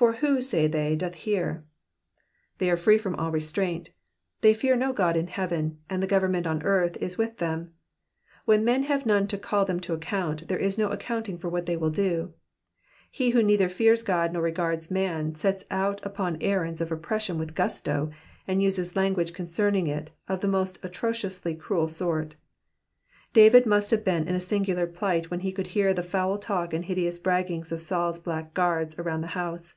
^^For wfio, say they^ doth heart " They are free from all restraint, they fear no God in heaven, and the government on earth is with them. When men have none to call them to account, there is no accounting for what they will do. He who neither fears God nor regards man sets out upon errands of oppression with gusto, and uses language concerning it of the most atrociously cruel sort. David must have been in a singular plight when he could hear the foul talk and hideous bracrgings of Saul's black guards around the house.